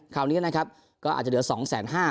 คราวนี้นะครับก็อาจจะเหลือสองแสนห้า